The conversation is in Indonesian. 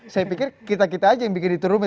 saya pikir kita kita aja yang bikin itu rumit